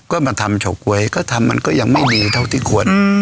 ก็มาทำเฉาก๊วยก็ทำมันก็ยังไม่ดีเท่าที่ควร